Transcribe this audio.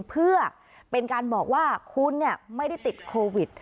เพื่อเป็นการบอกว่าคุณไม่ได้ติดโควิด